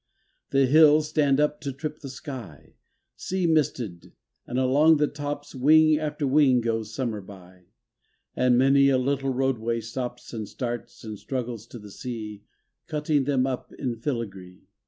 The hills stand up to trip the sky, Sea misted, and along the tops Wing after wing goes summer by, And many a little roadway stops And starts, and struggles to the sea, Cutting them up in filigree.